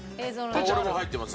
俺も入ってます。